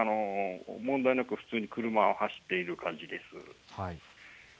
問題なく、普通に車は走っている感じです。